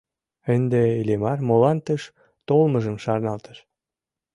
Ынде Иллимар молан тыш толмыжым шарналтыш.